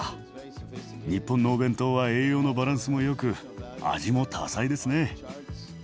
日本のお弁当は栄養のバランスもよく味も多彩ですね。